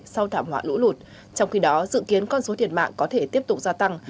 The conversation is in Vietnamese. sau thảm họa lũ lụt trong khi đó dự kiến con số thiệt mạng có thể tiếp tục gia tăng